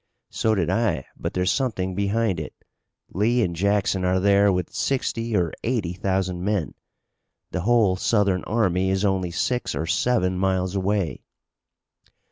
"So did I, but there's something behind it. Lee and Jackson are there with sixty or eighty thousand men! The whole Southern army is only six or seven miles away."